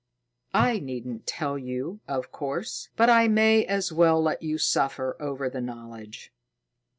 "I needn't tell you, of course, but I may as well let you suffer over the knowledge."